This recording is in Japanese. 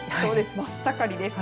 真っ盛りです。